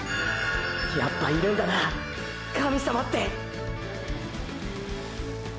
やっぱいるんだな神様って！！